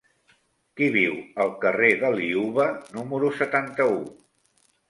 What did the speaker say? Qui viu al carrer de Liuva número setanta-u?